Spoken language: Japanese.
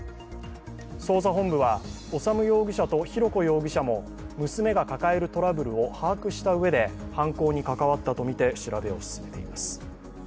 捜査本部は修容疑者と浩子容疑者も娘が抱えるトラブルを把握したうえで犯行に関わったとみて調べを進めています。